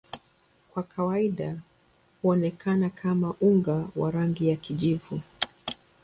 Kwa kawaida huonekana kama unga wa rangi ya kijivu.